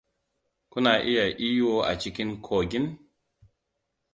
Kuna iya iyo a cikin kogin?